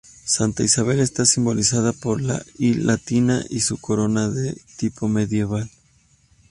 Santa Isabel está simbolizada por la I latina y su corona de tipo medieval.